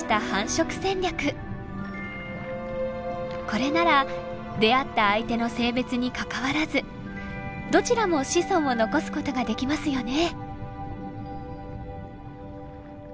これなら出会った相手の性別にかかわらずどちらも子孫を残すことができますよね。